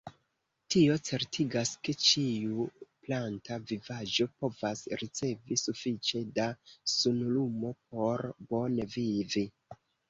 Tio certigas, ke ĉiu planta vivaĵo povas ricevi sufiĉe da sunlumo por bone vivi.